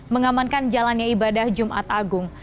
mengamankan jalannya ibadah jumat agung